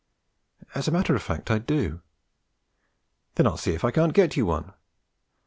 'As a matter of fact, I do.' 'Then I'll see if I can't get you one.'